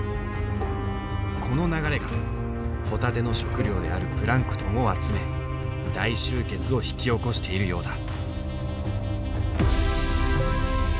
この流れがホタテの食料であるプランクトンを集め大集結を引き起こしているようだ。